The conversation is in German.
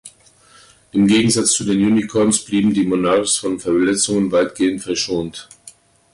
Im Gegensatz zu den Unicorns blieben die Monarchs von Verletzungen weitestgehend verschont.